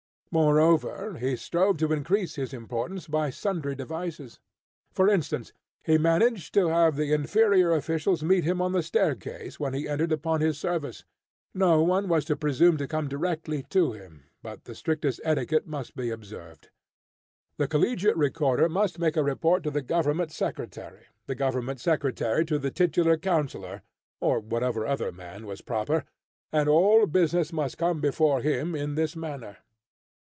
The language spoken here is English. Moreover, he strove to increase his importance by sundry devices. For instance, he managed to have the inferior officials meet him on the staircase when he entered upon his service; no one was to presume to come directly to him, but the strictest etiquette must be observed; the collegiate recorder must make a report to the government secretary, the government secretary to the titular councillor, or whatever other man was proper, and all business must come before him in this manner.